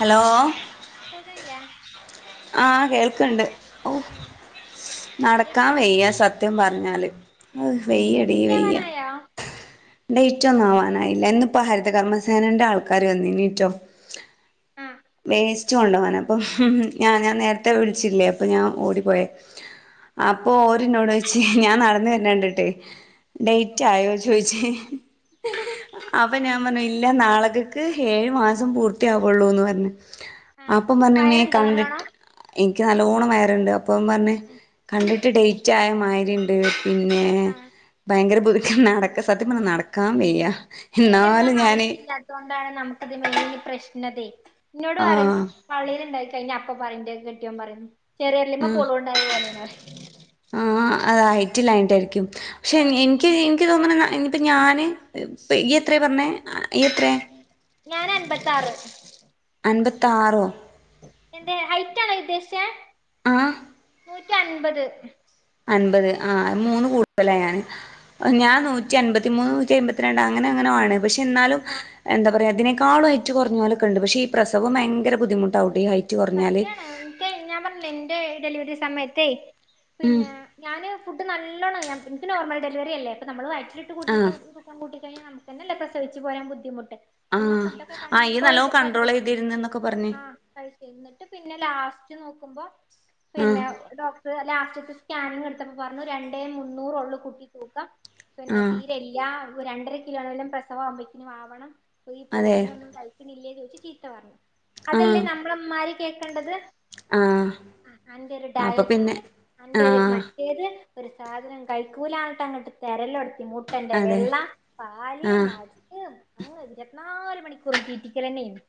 Hello [unintelligible] ആഹ് കേൾക്ക്ണ്ട്‌ ഓഹ് ഉം എന്ത് നടക്കാൻ പറ്റി വെയ്യാ സത്യം പറഞ്ഞാല് ഉം അഹ് വെയ്യടി വെയ്യ ലേറ്റാവാനായോ ഡേറ്റോന്നവാനായില്ല എന്നിപ്പ ഹരിത കർമ്മസേനന്റെ ആൾക്കാര് വന്നിനിട്ടോ ആഹ് വേസ്റ്റ് കൊണ്ടവാന് അപ്പം ഞാൻ ഞാൻ നേരത്തെ വിളിച്ചില്ലേ അപ്പം ഞാൻ ആഹ് ഓടിപ്പോയെ അപ്പൊ ഓരിന്നോട് ചോയ്ച്ചേ ഞാൻ നടന്നു വരുന്ന കണ്ടിട്ടേ ഡേയിറ്റ് ആയോന്ന് ചോദിച്ചേ അപ്പൊ ഞാൻ പറഞ്ഞു ഇല്ല നാളകക്ക് ഏഴ് മാസം പൂർത്തിയാവുള്ളൂന്ന് പറഞ്ഞ് ആഹ് അപ്പം പറഞ്ഞമ്മേ വയറുണ്ടോ നല്ലോണം കണ്ടിട്ട്- എനിക്ക് നല്ലോണം വയറുണ്ട് അപ്പം പറഞ്ഞ് കണ്ടിട്ട് ഡേറ്റ് ആയ മായിരി ഉണ്ട് പിന്നെ ആഹ് ഭയങ്കര ബു [unintelligible] ക്കം നടക്ക സത്യം പറഞ്ഞാൽ നടക്കാൻ വയ്യ എന്നാലും ഞാന് - അതുകൊണ്ടാണ് നമുക്ക്‌ ഇത് വലിയ പ്രശ്നംതേ എന്നോട് പറയും ആഹ് പള്ളിൽ ഉണ്ടാ - കഴിഞ്ഞ അപ്പ പറയും എന്റെ കെട്ടിയോൻ പറിയും ചെറിയ [unintelligible] ര്ലു [unintelligible] മ്മെ ആഹ് പൊളൂന്ണ്ടായ പോലേണ്ന്ന്പറിം. ആഹ് അത് ഹൈറ്റ് ഇല്ലാഞ്ഞിട്ടായിരിക്കും പക്ഷെ എനി ആഹ് എനിക്ക് എനിക്ക് തോന്ന്ണ ഇനിപ്പം ഞാന് ഇപ്പ ഇയ്യ് എത്ര പറഞ്ഞത് ഈ എത്രയാ - ഞാൻ അൻമ്പത്ത് ആറ് അൻപത്താറോ എന്റെ ഹൈറ്റ് ആണോ ഉദ്ദേശിച്ചേ ആഹ് നൂറ്റി അൻപത് അൻപത് ആ മൂന്ന് കൂടുതലാ ഞാന് ഞാൻ ആഹ് നൂറ്റി അൻപത്തി നൂറ്റിമൂന്ന് നൂറ്റി എമ്പത്തിരണ്ട് അങ്ങനെ അങ്ങനോ ആണ് പക്ഷെ എന്നാലും ആഹ് എന്താ പറയാ ഇതിനെകാ കാളും ഹൈറ്റ് കുറഞ്ഞോല്ലൊക്കെണ്ട് പക്ഷേ ഈ പ്രസവം ഭയങ്കര ബുദ്ധിമുട്ടാവും ട്ടോ ഈ ഹൈറ്റ് കുറഞ്ഞാല് അതെ ഞാൻ പറഞ്ഞില്ലേ എന്റെ ഡെലിവറി സമയത്തേ ഉം പിന്നെ- ഞാന് ഫുഡ് നല്ലോണം എനിക്ക് നോർമൽ ഡെലിവറിയല്ലേ ഇപ്പൊ നമ്മള് വയറ്റിലിട്ട് ഫുഡ്‌- ആഹ് തൂക്കം കൂട്ടിക്കഴിഞ്ഞാ നമുക്ക് തന്നെല്ലേ പ്രസവിച്ചു പോരാൻ ബുദ്ധിമുട്ട് അല്ലേ ആഹ നീ നല്ലോണം കൺണ്ട്രോൾ ചെയ്തിരുന്നു എന്നൊക്കെ പറഞ്ഞു കഴിച്ചിട്ട് പിന്നെ ലാസ്റ്റ് നോക്കുമ്പോ ആഹ് പിന്നെ- ഡോക്ടർ ലാസ്റ്റതെ സ്കാനിങ് എടുത്തപ്പോ പറഞ്ഞു രണ്ടേ മുന്നൂറ് ഒള്ളൂ കുട്ടിക്ക്‌ തൂക്കം പിന്നെ ആഹ് തീരെ ഇല്ലാ രണ്ടര കിലോനെങ്കിലും പ്രസവം ആക്കുമ്പേക്കിനും ആവണം അപ്പ ഈ അതെ പ്രോട്ടീൻ ഒന്നും കഴി തിന്നൽ ഇല്ലേ ചോദിച്ച് ചീത്ത പറഞ്ഞു അതല്ലേ ആഹ് നമ്മള് അമ്മമാര് കേൾക്കേണ്ടത് ആഹ് അന്റെ ഒരു അപ്പൊ പിന്നെ ഡയറ്റ് അന്റെ ഒരു മ ആഹ് ഏത് ഒരു സാധനം കയിക്കൂല ആയിട്ട് അങ്ങോട്ട് ത [unintelligible] തിരല എടുത്തി തന്റെ അതെ വെള്ളം പാ [unintelligible] ല ആഹ് നാടി ഇരുപത്തിനാല് മണിക്കൂറും തീറ്റിക്കൽ തന്നെയാണ്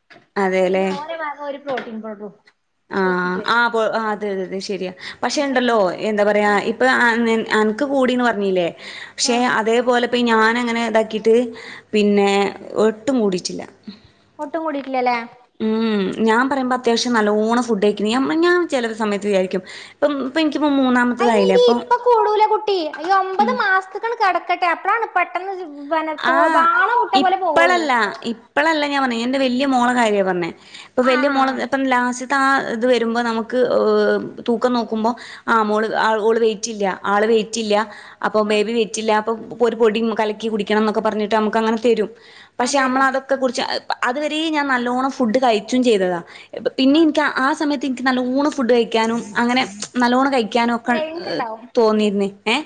പിന്നെ അതേല്ലേ ഓരെ ഭാഗം ഒരു- ോട്ടിൻ പറ [unintelligible] ആഹ് ആ അതെ അതെ അതെ ശരിയാ പക്ഷെ ഇങ്ങട്ട് ഇണ്ടല്ലോ എന്താ ആഹ് പറയാ- ഇപ്പൊ അൻക്ക് കൂടിന്ന് പറഞ്ഞില്ലേ പക്ഷെ ആഹ് അതേപോലെ - ഇപ്പ ഈ ഞാനങ്ങനെ ഇതാക്കിട്ട് പിന്നെ ഒട്ടും കൂടിട്ടില്ല ഒട്ടും കൂടിട്ടില്ലല്ലേ ഉം ഞാൻ പറീമ്പ ഉം അത്യാവശ്യം റ്റ് നല്ലോണം ഫുഡ് കഴിക്ക്ന്ന് ഞ ഞാൻ ചെല ര് സമയത്ത് വിചാരിക്കും ഇപ്പം ഇൻക്ക് പ്പൊ മൂന്നമത്ത് അയിനിടി ഇപ്പൊ കൂടൂല കുട്ടി ഒമ്പത് മാസത്തക്കാണ് കടക്കട്ടെ അപ്പളാണ് പെട്ടന്ന് ജ്ജ്‌ വന തോ വാണം വിട്ട പോലെ പോവൊള്ളൂ ഇപ്പളല്ല ആഹ് ഇപ്പളല്ല ഞാ പർഞ്ഞെ ഞാൻ ന്റെ വെല്ല്യേ മോള കാര്യാ പർഞ്ഞെ ഇപ്പൊ ആഹ് വെല്ല്യേ ആഹ് മോളത് ആഹ് ഇപ്പം ലാസ് ത്താ ഇത് വെരുമ്പോനമുക്ക് തൂക്കം നോക്കുമ്പോ ആഹ് മോള് ആഹ് ഓള് വെയ്റ്റില്ല ആള് വെയ്റ്റില്ല അപ്പൊ ആഹ് ബേബി വെയ്റ്റില്ല അപ്പൊ ഒരു പൊടി കലക്കി കുടിക്കണം എന്നൊക്കെ പറഞ്ഞിട്ട് നമുക്ക് അങ്ങനെ തെരും ആഹ് പക്ഷെ തരും അമ്മളതൊക്കെ കുട്ച്ച് അതുവരീം ഞാൻ നല്ലോണ്ണം ഫുഡ് കഴിച്ചും ചെയ്തതാ പിന്നെ ആഹ് ഇൻക്ക് ആ സമയത്ത് ഇൻക്ക് നല്ലോണം ഫുഡ് കഴിക്കാനും അങ്ങനെ നല്ലോണം കഴിക്കാനും ഒക്കെ ക്രേവിങ്സ് ഇണ്ടാവും തോന്നിര്ന്ന് ഏഹ്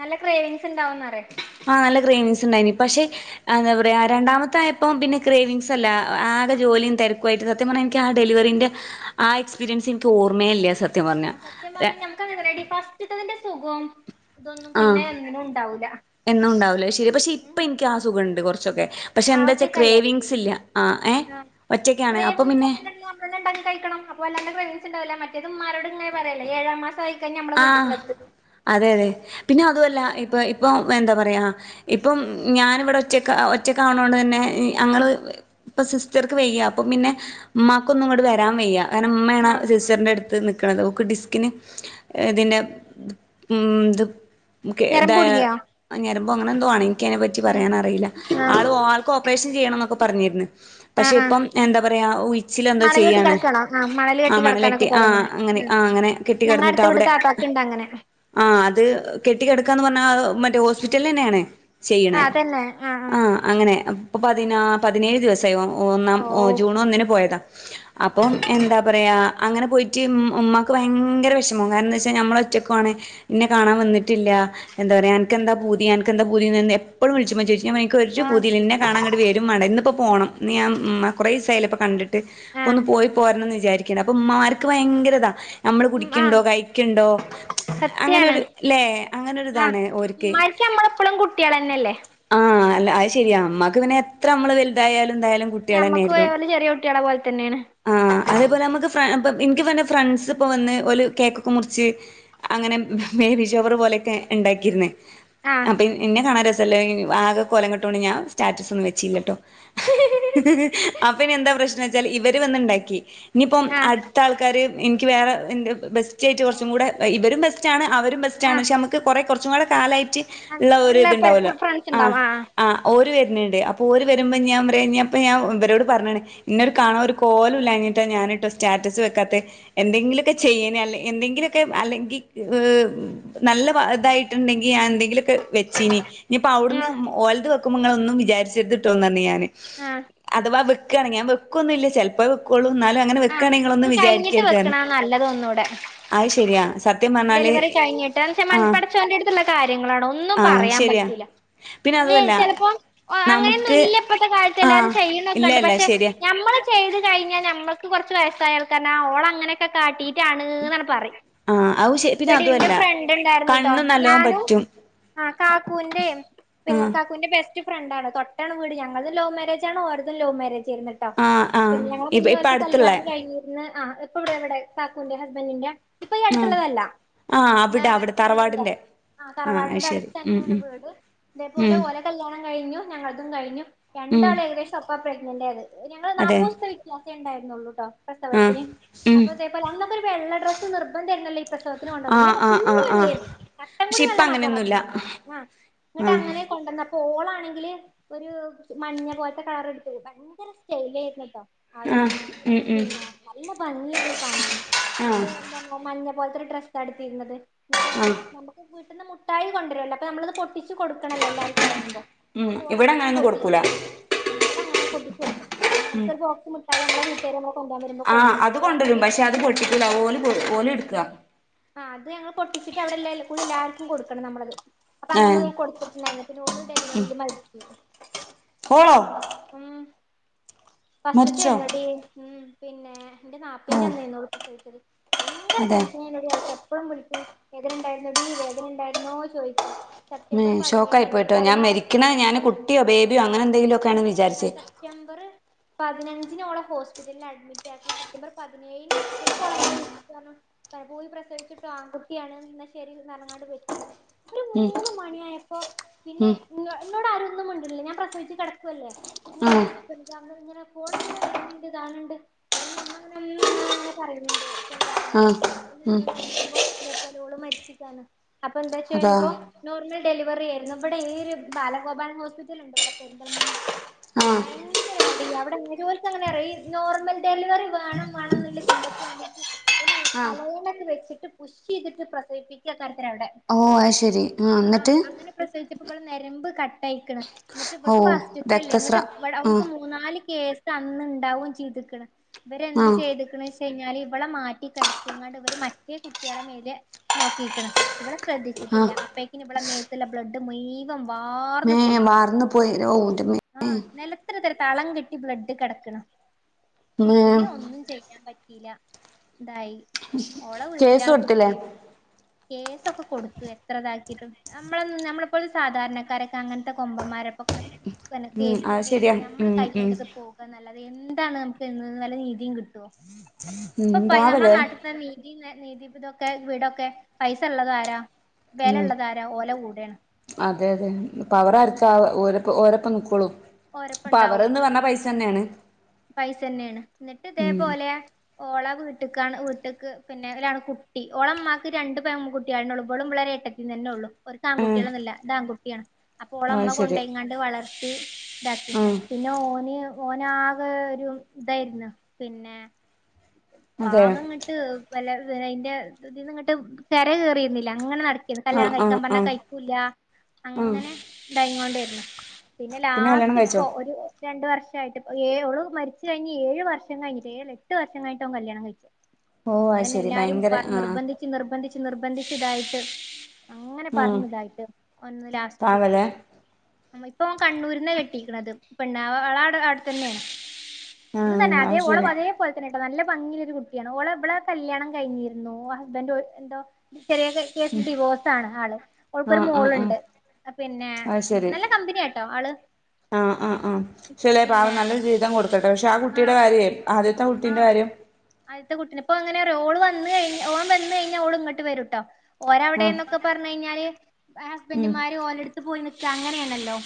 നല്ല ക്രേവിങ്സ് ഇണ്ടാവുംന്ന് പറയാ ആഹ് നല്ല ക്രേവിങ്സ് ഇണ്ടായ്നിം പക്ഷെ എന്താ പറയാ രണ്ടാമത്തായപ്പം പിന്നെ ക്രേവിങ്സ് അല്ല ആകെ ജോലിയും തെരക്കു ആയിട്ട് സ സത്യം പറഞ്ഞ ഇൻക്ക് ആ ഡെലിവറിന്റെ ആ എക്സ്പീരിയൻസ് ഇൻക്ക് ഓർമേ ഇല്ല്യ സ ആഹ് സത്യം പറഞ്ഞൽ നമക്ക് അങ്ങനല്ലെടി ഫസ്റ്റ്ത്തതിന്റെ സുഖം ആഹ് എന്നും ഉണ്ടാവൂല ശരിയ പക്ഷെ ഉം ഇപ്പ ഇൻക്ക് ആ സുഖണ്ട് കൊറച്ചൊക്കെ പക്ഷേ ആ എന്താച്ചാ ഒറ്റക്കല്ലേ ക്രേവിങ്സ് ഇല്ല ആഹ് ഏ ഒറ്റയ്ക്കാണ് അപ്പം പിന്നെ നമ്മളെന്നെ ഇണ്ടാക്കി കഴിക്കണം അപ്പൊ വല്ലാണ്ടെ ക്രെവിങ്സ്ണ്ടാവില്ല മറ്റേത് മ്മാരോട് ഇങ്ങനെ പറയല്ലേ ഏഴാം മാസായി കഴിഞ്ഞ അമ്മളെ ആഹ് വീട്ടിക്ക്ണ്ട് എത്തു [unintelligible] അതെ അതെ പിന്നെ അതുഅല്ല ഇപ്പ ഇപ്പൊ എന്താ പറയാ ഇപ്പം ഞാന് വടെ ഒറ്റക്ക് ഒറ്റക്കാവ്ണോണ്ട് തന്നെ അങ്ങള് ഇപ്പൊ സിസ്റ്റർക്ക് വെയ്യ അപ്പൊ പിന്നെ മ്മാക്കൊന്നും ഇങ്ങട്ട് വെരാം വെയ്യാ കാരണം ഇമ്മേണ് ആഹ് സിസ്റ്ററിൻ്റെ അടുത്ത് നിക്ക്ണത് ഓക്ക് ഡിസ്കിന് ഈഹ് ഇതിന്റെ ഉം ഇത് കേ ഞരമ്പ് ഇതായെ കുടുങ്ങിയോ ഞരമ്പോ അങ്ങനെ എന്തോ ആണേ ക്ക് അയ്നെ പറ്റി ഉം പറയാൻ അറിയില്ല ആഹ് ആൾ ആൾക്ക് ഓപ്പറേഷൻ ചെയ്യണംന്നൊക്കെ പറഞ്ഞിര്ന്ന് ആഹ് പക്ഷെ ആഹ് ഇപ്പം എന്താ പറയാ ഉയിച്ചിലെന്തോ മണല് കെട്ടി ചെയ്യാണ് കിടക്കാണോ ആഹ് മണല് ആഹ് കെട്ടി മണലെട്ടി കിടക്കാനൊക്കെ പറയും ആഹ് ഇങ്ങനെ അങ്ങനെ ഉം ആഹ് അങ്ങനെ കെട്ടി ഞങ്ങ കെട്ന്നിട്ട് പ്പൊ അടുത്ത വീട്ട് അവ്ടെ താത്താക്ക്ണ്ട് അങ്ങനെ ആഹ് അത് കെട്ടിക്കെട്ക്കാന്ന് പറഞ്ഞാ അഹ് മറ്റേ ഹോസ്പിറ്റൽലെന്നേണ് ചെയ്യണേ ആഹ് അങ്ങനെ ഇപ്പ പതിനാ പതിനേഴ് ദിവസാ സായി ഒന്നാം ഓ ജൂൺ ഒന്നിന് പോയതാ അപ്പോം എന്താ പറയാ അങ്ങനെ പോയിറ്റ് ഇമ്മ് ഉമ്മാക്ക് ഭയങ്കര വെഷമം കാരണംന്താച്ചാ ഞമ്മള് ഒറ്റക്കും ആണ് ഇന്നെ കാണാൻ വെന്ന്ട്ടില്ല എന്താ പറയാ അൻക്കെന്താ പൂതി അൻക്കെന്താ പൂതിന്ന് എ പ്പയും വിൾച്ചുമ്പോ ചോയ്ച്ചും ഞാൻ പറിം ക്കൊരു ആഹ് പൂതിം ഇല്ല ഇന്നെ കാണാങ്ങട്ട് വെരും മാണ്ട ഇന്ന് ഇപ്പൊ പോണം ഇന്ന് ഞാ മ്മാ കൊറേ സായിലെ പ്പൊ കണ്ട്ട്ട് അപ്പൊ ആഹ് ഒന്ന് പോയി പോരനം ന്ന് വിചാരിക്ക്ണ്ട് അപ്പൊ മ്മമ്മാര്ക്ക് ഭയങ്കരതാ നമ്മള് ഉം കുടിക്ക്ണ്ടോ ആഹ് കഴിക്ക് ണ്ടോ സത്യാണ് അങ്ങനെരു ല്ലേ അങ്ങനെ ഒരു ആഹ് ഇതാണ് ഓര്ക്ക് ഇമ്മാർക്ക് നമ്മളെപ്പളും കുട്ടികളെന്നെല്ലേ ആഹ് അല്ല അത് ശരിയാ മ്മാക്ക് പിന്നെ എത്രമ്മള് വെൽതായാലും ന്തായാലും ഇഞ് ഞമ്മക്കും ഓലെ ചെറിയ കുട്ടിയാളെ പോൽത്തന്നേണ് ആഹ് അതേപോലെ അമ്മക്ക് ഫ്ര അപ്പം ഇൻക്ക് പ്പൊ ന്റെ ഫ്രണ്ട്സ് ഇപ്പോ വന്ന് ഓല് കേക്കൊക്കെ മുർച്ച് അങ്ങനെ ബേബി ഷവറ് പോലെക്കെ ഇണ്ടാക്കിര്ന്ന് ആഹ് അപ്പ ഇ ഇന്നെ കാണാൻ രസല്ല ആകെ കൊലം കെട്ടോണ്ട് ഞാൻ സ്റ്റാറ്റസ് ഒന്നും വെച്ചീല്ല ട്ടോ അപ്പനിയെന്താപ്രശ്നേച്ചാല് ഇവര് വന്ന്ണ്ടാക്കി ഇനിപ്പം ആഹ് അടുത്താൾക്കാര് ഇൻക്ക് വേറെ ബെസ്റ്റ് ആയിട്ട് കുറച്ചും കൂടെ ഇവരും ബെസ്റ്റ് ആണ് അവരും ബെസ്റ്റ് റ്റാണ് ആഹ് പക്ഷെ കൊറെ കൊറച്ചും കൂടെ കാലായ്റ്റ്ള്ള ഒരു നല്ല ഇത്ണ്ടാവൊല്ലൊ ഫ്രണ്ട്സ് ആഹ് ഉണ്ടാവും ആ്ഓര് വര്ന്ന്ണ്ട് അപ്പൊ ഓര് വരുമ്പോ ഞാൻ പറ്യഞാനിവരോട് പറഞ്ക്ക്ണ് ഇന്നൊരു കാണാ ന് ഒരു കോലോല്ല്യാഞ്ഞിട്ട ഞാന് സറ്റാറ്റസ് വെക്കാത്തത് എന്തെങ്കിലൊക്കെ ചെയ്യന അല്ലെ എന്തെങ്കിലുമൊക്കെ അല്ലെങ്കി ഹ് നല്ല ഇതായിട്ട് ഉണ്ടെങ്കി ഞാനെ എന്തെങ്കിലൊക്കെ വെച്ചീഞ്ഞി ഇനിയിപ്പോ അവ്ടുന്ന് ആഹ് ഓല്ത് വെക്കുമ്പോ തുങ്ങളൊന്നും വിചാര്ച്ചെര്തിട്ടോന്ന് പറഞ്ഞ് ഞാന് ആഹ് അഥവാ വെക്കാണങ്കി ഞാൻ വെകൊന്നുല്ല്യ ചെലപ്പോ വെക്കൊള്ളൂ ന്നാലും അങ്ങനെ വെക്ക അത് കഴിഞ്ഞിട്ട് വെക്കണ നല്ലത് ഒന്നൂടെ അത് ശരിയാ സത്യം പറഞ്ഞാല് ഡെലിവറി കഴിഞ്ഞിട്ട് എന്ത്ന്ന് വെച്ചാൽ ആഹ് പടച്ചോന്റെ എട്ത്ത്ള്ള കാര്യങ്ങളാണോ ഒന്നും ആഹ് പറയാന് ശരിയാ പറ്റൂല പിന്നെ അതുവല്ല ചിലപ്പോ അങ്ങനെയൊന്നും നമുക്ക് ഇല്ല്യ ഇപ്പത്തെകാലത്ത് എല്ലാവരും ആഹ് ഇല്ല ചെയ്യ്ണൊക്കെണ്ട് ഇല്ല പക്ഷെ ശരിയാ ഞമ്മള് ചെയ്ത് കഴിഞ്ഞാ ഞമ്മക്ക് കൊറച്ച് വയസായാൾക്കാര്ണ്ടാവും ഓള അങ്ങനെക്കെ കാട്ടി ട്ടാണ്ന്നാണ്ട് പറിം ആഹ് അത് ശ പിന്നെ എടീ ന്റെ അതുവല്ല ഫ്രണ്ട് ണ്ടായിര്ന്ന്ട്ടൊ കണ്ണ് നല്ലോം ഞാനും പറ്റും ആ കാക്കുവിന്റെ പിന്നെ ആഹ് കാക്കൂന്റെ ബെസ്റ്റ് ബെസ്റ്റ് ഫ്രണ്ടാണ് തൊട്ടാണ് വീട് ഞങ്ങള്തും ലൗ മേരേജാണ് ഓര്തും ലൗ മേരേജായിര്ന്ന് ആഹ് ആഹ് പിന്നെ ഞങ്ങളെ ഇപ്പ മുന്നെ ഇപ്പ ഓല്ത് അടുത്തുള്ള കല്ല്യാണം കഴിഞ്ഞിര്ന്ന് ആ പ്പവിടെ കാക്കൂന്റെ ഹസ്ബന്റിന്റെ ഇപ്പ ഈ ആഹ് അട്ത്ത്ള്ളതല്ല ആഹ് അവിടെ വേറെ അവിടെ തറവാടിന്റെ വേണ്ടല്ലൊആ ആഹ് അത് തറവാടിന്റെ ശരി ഉം അടുത്തന്നെയാണ് ഉം വീട് ഇതേപോലെ ഉം ഓലെ കല്യാണം കഴിഞ്ഞു ഞങ്ങള്തും കഴിഞ്ഞു ഉം രണ്ടാളും ഏകദേശം ഒപ്പം പ്രഗ്നന്റ് ആയത് ഞങ്ങൾ അതെ നാപ്പൂസ്ത്തെ വി ത്യാസെ ഉണ്ടായിരുന്നൊള്ളൂട്ടൊ ആഹ് പ്രസവത്തിന് ഉം അപ്പ അതേപോലെ അന്നൊക്കെ ഒരു വെള്ള ഡ്രസ്സ് നിർബന്ധായിര്ന്നല്ലോ ഈ പ്രസവത്തിന് പ്രസവത്തിന് കൊണ്ടോവുമ്പൊ ആഹ് ഇന്നൊക്കെ ആഹ് ഫുള്ള് ആഹ് ആഹ് വെള്ളേനി തട്ടം കൂടി പക്ഷെ ഇപ്പ വെള്ള മാറ്റാൻ അങ്ങനെയൊന്നുല്ല പറ്റൂല ആഹ് ഇങ്ങട്ട ആഹ് അങ്ങനെ കൊണ്ടന്ന ഓളാണെങ്കില് ഒരു മഞ്ഞ പോല്ത്ത കളറ് എട്ത്ത്ക്ക്ണ് വയങ്കര സ്റ്റൈലേര്ന്നിട്ടോ ആഹ് ഉം ഉം പിന്നെ നല്ല ഭംഗിയേര്ന്നുകാണാൻ ആഹ് എന്നിട്ട് എന്ത മഞ്ഞ പോല്ത്തെരു ഡ്രസ്സ്ആണ് ഇട്ത്തീര്ന്നത് എന്നിട്ടങ്ങനെ ആഹ് നമ്മക്ക് വീട്ടിന്ന് മുട്ടായി കൊണ്ടുവരല്ലോ അപ്പൊ നമ്മളത് പൊട്ടിച്ചു പൊട്ടിച്ച് കൊടുക്കണല്ലോ എല്ലാക്കും എറങ്ങ്മ്പോ ഉം അപ്പൊ ഇവിടെ ഓളതൊന്നും അങ്ങനൊന്നും കൊടുക്കൂല പൊട്ടിച്ച്കൊടുത്തില അവിടെ അങ്ങനൊന്നും പൊട്ടിച്ച് കൊടുക്കണം അവൾകൊരുബോക്സ് മുട്ടായി നമ്മളെ വീട്ടേര് ആഹ് അത് കൊണ്ടരും പക്ഷെ അത് പൊട്ടിക്കൂല ഓല്ട്ക്ക ആഹ്അത് ഞങ്ങള് പൊട്ടിച്ചിട്ട്അവിടെ കൂട്യ എല്ലാര്ക്കും കൊട്ക്കണം ഞമ്മള അത് അപ്പൊ ഏഹ് അങ്ങനൊക്കെ കൊട്ത്തിട്ടുണ്ടായിന്നു പിന്നെ ഓള് ഡെലിവറീല് മരിച്ചു ഓളോ മരിച്ചോ ഫസ്റ്റ്ത്തതായിരുന്നു ഹ് പിന്നെ എന്റെ ഓ നാപ്പീന്റെ അന്നേനി ഓള് പ്രസവിച്ചത് ഭയങ്കര അതെ ട്ടെൻഷനായിര്ന്നടീ ആൾക്ക് എപ്പളും വിളിക്കും വേദനണ്ടായീര്ന്നടീ വേദനണ്ടായിരുന്നോ ചോയ്ക്കും ആഹ് ഷോക്കായി പോയിട്ടൊ ഞാന് മരിക്ക്ണത് പതിനാറ് കുട്ട്യോ ബേബി ബേബ്യോ അങ്ങനെ എന്തെങ്കിലൊക്കേ ഇല്ലല്ല വിചാരിച്ച സെപ്റ്റംബർ പതിനഞ്ചിനോളെ ഹോസ് പിറ്റലില് അഡ്മിറ്റാക്കി സെപ്റ്റംബർ പതിനേഴിന് ഉച്ചക്ക് ഓളെ ഇമ്മ വിള്ച്ചിട്ട് പറഞ്ഞു പൂവി പ്രസവിച്ച്ട്ടൊ ആൺകുട്ട്യാണ് ന്നാ ശരീന്നറഞ്ങ്ങാണ്ട് വെച്ചു ഒരു ഉം മൂന്ന് മണിയായപ്പോ പിന്നെ ഉം ഇന്നോട് ആരൊന്നും മിണ്ട്ണ്ല്ല്യ ഞാന് പ്രസവിച്ച് കെടക്കല്ലെ ഇങ്ങനെ ആഹ് [unintelligible] ഇങ്ങനെ ഫോണ്ങ്ങനെ വര്ന്ണ്ട് ത് കാണ്ണ്ണ്ട്ഓരോന്ന് ഇമ്മങ്ങനെ പറയ്ണ്ട് ആഹ് പിന്നെന്താ നോക്കുമ്പോ ഇതേ പോലെ ഓള്മരിച്ചിക്കാണ് അപ്പൊ അതാ എന്താചോയ്ച്ചപ്പ നോർമൽ ഡെലിവറി ആയിരുന്നു ഇവിടെ ഈ ഒരു ബാലഗോപാലൻ ഹോസ്പിറ്റല്ണ്ട് ഇവിടെ പെരിന്തൽമണ്ണ ആഹ് ഭയങ്കര അടി അവിടെ എങ്ങനെ ഓൽക്ക് എങ്ങനെ അറയി നോർമൽ ഡെലിവറി വേണം വേണന്ന്ള്ള ചിന്തക്ക് വേണ്ടീട്ട് ഓര് ആഹ് തലയണൊക്കെ വെച്ചിട്ട് പുഷ് ചെയ്തിട്ട് പ്രസവിപികുകയണ്. അവിടെ ഓഹ് ആഹ് ശരിന്നട്ട്. പ്രസവിച്ചപ്പ ഇവളെ ഞരമ്പ് കട്ടായിക്ക്ണ്. എന്നട്ട് ഓ ഇവക്ക് ഫസ്റ്റത്തെല്ലേ രക്തസ്ര ങ്ങട്ട് ഓര്ക്ക് ആഹ് മൂന്നാല് കേസ് അന്ന്ണ്ടാവും ചെയ്ത്ക്ക്ണ്. ഇവരെന്ത് ആഹ് ചെയ്തക്കണ് വെച്ച് കഴിഞ്ഞാല് ഇവളെ മാറ്റി കിടത്തിങ്ങാണ്ട് ഇവര് മറ്റേ കുട്ടികളെ മേല. നോക്കിക്കണ് ഇവളെ ശ്രദ്ധിച്ചിട്ടില്ല. ആഹ് അപ്പേക്കിനന് ഇവിടെ മേത്തുള്ള ബ്ലഡ് മുയ് വം വാർ ഏ വാർന്നു പോയി ഔൻ്റൊ അമ്മോ. ആഹ നിലത് ഇടത്ര തളം കെട്ടി ബ്ലഡ് കിടക്ക്ണ്. മേ പിന്നെ ഒന്നും ചെയ്യാൻ പറ്റില്ല. ഇതായി ഓള കേസ് വിട്ടിലണ് കൊടുത്തില്ലേ കുട്ടി. കേസൊക്കെ കൊടുത്തു എത്ര ഇതാക്കിട്ടും. നമ്മള നമ്മളെപ്പോലോത സാധാരണക്കാരൊക്കെ അങ്ങനത്തെ കൊമ്പന്മാരൊക്കൊക്കെ ന്നെ ഉം കേസിന് അത് പോയിട്ട് ശരിയാ നമ്മള് ഉം ഉം കൈയില്ളത് പോകാനൊല്ലതെ എന്താണ് നമുക്ക് എ നല്ല നീതിയും കിട്ടുവോ. ഉം ഇപ്പൊ നമ്മളെ പാവല്ലേ നാട്ടിൽ തന്നെ ഈ ന നീതിതൊക്കെ വീടൊക്കെ പൈസ ഉള്ളത ആാരാ വില ഉം ഉള്ളത ആാരാ ഓല കൂടയാണ്. അതെ അതെ പവർ അര്ക ഓര ഓരപ്പം നിക്കോളൂ ഓരപ്പ അവർന്ന് പറഞ്ഞ പൈസ തന്നെയാണ്. പൈസ തന്നെയാണ് ന്നട്ട് ഇതേ ഉം പോലെ. ഓള വീട്ടക്കാണ് വീട്ടക്ക് പിന്നൊണ് കുട്ടി ഓളമമാക്ക് രണ്ട് പേൺ കുട്ടിളള് നുള്ളു ഇവളും ഇവളെ ഒര് ഏട്ടത്തിയും. ഇ തന്നെ ഉള്ളൂ ഒരു ഉം ആൺകുട്ടികളൊന്നും ഇല്ല ഇത് ആൺകുട്ടിയാണ്. അപ്പം ഒളൊ അത് ഇമ്മ ശരി കൊണ്ടങ്ങാണ്ട് വളർത്തി ഇതാക്കി. ഉം പിന്നെ ഓന് ഓന് ആകെ ഒരു ഇതായിരുന്നു. പിന്നെ അതെ ആകെ ഇങ്ങട്ട് അതിന്റെ ഇതിൽന്ന് ഇങ്ങട്ട് കര കൊറിറിന്നില്ല. അങ്ങനെ നട ഇഏത് കല്യാണം ആഹ് കഴിക്കാൻ ആഹ് പറഞ്ഞാ ആഹ് കഴിക്കൂല്ല ആഹ് അങ്ങനെ ഇത് ആയി കൊണ്ടായിരുന്നു. പിന്നെ കല്യാണം ലാസ്റ്റ് കഴിച്ചോ ഇപ്പോ ഒരു രണ്ട് വർഷ ആയിട്ട്. ഏ ഒള് മരിച്ച് കഴിഞ് ഏഴ് വർഷം കഴഞ്ഞിട്ട് ഏ എട്ട് വർഷം കഴിഞ്ഞി ട്ട അവൻ കല്യാണം കഴിച്ചോ. ഓ അതെ അത് ശരി എല്ലാരും ഭയങ്കര പറ ആഹ് നിർബന്ധിച്ച് നിർബന്ധിച്ച് നിർബന്ധിച്ചച്ച് ഇതായിട്ട്. അങ്ങനെ ഉം പറഞ്ഞതായിട്ട് ഒന്ന് ലാസ്റ്റ് പാവല്ലേ കിട്ടിയത്. ഇപ്പൊ കണ്ണൂരിന്ന് കെട്ടിയിരിക്കണത് പിന്നെ ആള അവിടെ തന്നെയാണ്. ഇത് ആഹ് തന്നെ അതേ അത് ഒളാ ശരി അതേ ല തന്നെ കേട്ടോ നല്ല ഭംഗിയയിലൊരു കുട്ടിയാണ്. ഓളെവളടെ കല്യാണം കഴിഞ്ഞിരുന്നു ഹസ്ബൻറ് എന്തോ ചെറിയ കേസിൽ ഡിവോഴ്സ് ആണ്. ആള് ആള്ക് ഒര് ആഹ് ആഹ് ആഹ് മോളുണ്ട്. പിന്നെ നല്ല കമ്പനിയ ആട്ടോ ആള്. ആഹ ആഹ ആഹ ചില പാവം പിന്നെ നല്ലരു ജീവിതം കൊടുക്കട്ടെ പക്ഷെ ആ കുട്ടിയുടെ ആഹ് കാര്യം. ആദ്യത്തെ കുട്ടീന്റെ ആഹ് കാര്യം. ആദ്യത്തെ കുട്ടിനെപ്പോ അങ്ങനെ റ ഓന് വന്ന് കഴിഞ്ഞ ഓള് വന്ന് കഴിഞ്ഞാൽഓള് ഇങ്ങട്ട് വര് ട്ടോ. ഓര് ആഹ് വിടെന്നൊക്കെ പറു കഴിഞ്ഞാല് ഉം ഹസ്ബൻറുമാര് ഓലെടുത്തത്ത് പോയി. നിക്ക അങ്ങനെയാണല്ലോ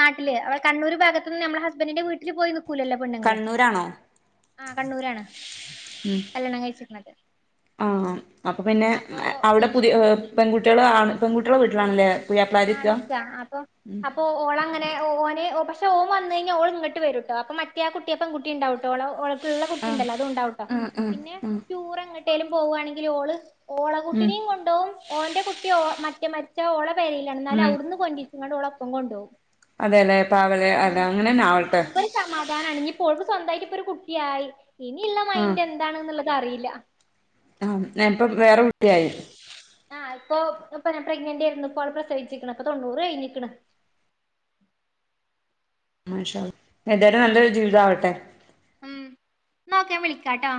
നാട്ടില് അവടെ കണ്ണൂർ ഭാഗത് നിന്ന് നമ്മെ ഹസ്ബൻിന്റെ വീട്ടില് പോയി നൽക്കൂല്ലോ. കണ്ണൂർരാണോ? ആ കണ്ണൂരാണ് കല്യാണം കഴിച്ചിരിക്കുന്നത്. ആഹ് അപ്പൊ പിന്നെ അവിടെ പിന്നെ പുതിയ പെൺകുട്ടികളണ് പെൺകുട്ടികളെ വീട്ടിലാണ്ല്ലേ പുയാപ്ലാര് നിക. ഉം അപ്പോൊ ഓള് അങ്ങനെ ഓന് പക്ഷെ ഓന് വന്ന് കഴിഞ്ഞാൽ ഓൾ ഇങ്ങോട്ട് വരും കേട്ടോ. അപ്പൊ മറ്റേ ആ കുട്ടിയപ്പം കുട്ടിണ്ടാവട്ടോ പ്പ് ള്ള ആഹ് കുട്ടിണ്ടല്ലോ അതും ഉണ്ടാവുട്ടോ ആഹ് ആഹ് പിന്നെ ആഹ് ടൂർ എങ്ങോട്ടേലും പോവ്വാണെങ്കില് ഓള് ഓളെ ഉം കുട്ടിനിം കൊണ്ടോവും ഓന്റെ കുട്ടി ഓ മറ്റേ മരിച്ച ഓളെ പെരിലാണ് ന്നാലും ഉം അവ്ട്ന്ന് കൊന്റി ച്ച്ങ്ങാണ്ട് ഓളൊപ്പം കൊണ്ടോവും അതേല്ലേ പാവംല്ലേ അത് അങ്ങനെന്നെ ആവട്ടെ സമാധാനണ് ഇഞ് പ്പൊ ഓൾക്ക് സ്വന്തായിറ്റ് ഇപ്പൊ ഒരു കുട്ട്യായി ഇനിള്ള ആഹ് ക്കെഎന്താണ്ന്ന്ള്ളത് അറിയില്ല ആഹ് ഞാ ഇപ്പം വേറെ കുട്ടി ആയി ആഹ് ഇപ്പോ ഇപ്പ ഞ പ്രഗ്നന്റ് ഏര്ന്നു ഇപ്പോള് പ്രസവിച്ചിക്ക്ണ് പ്പൊ തൊണ്ണൂറ് കഴിഞ്ഞിക്ക്ണ് മാഷാ അല്ലാഹ് ഏതായാലും നല്ലൊരു ജീവിതാവട്ടെ ഉം ന്ന ഓക്കേ ഞാ വിളിക്കാട്ടോ